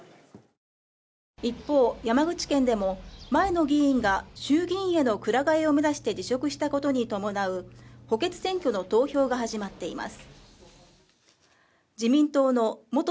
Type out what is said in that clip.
一方、山口県でも前の議員が衆議院へのくら替えを目指して辞職したことに伴う補欠選挙の投票が始まっています。